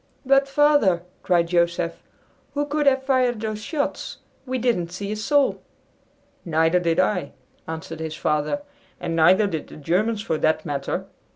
"But, Father," cried Joseph, "who could have fired those shots? We didn't see a soul." "Neither did I," answered his father; "and neither did the Germans for that matter.